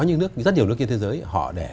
những nước rất nhiều nước trên thế giới họ để